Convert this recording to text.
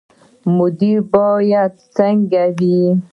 مدیر باید څنګه وي؟